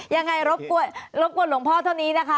ยังไงล้วบกฏลงพ่อเท่านี้นะคะ